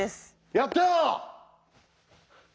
やった！